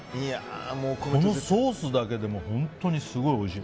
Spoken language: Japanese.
このソースだけで本当にすごいおいしい。